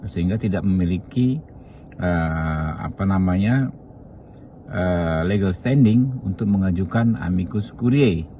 sehingga tidak memiliki legal standing untuk mengajukan amicus curia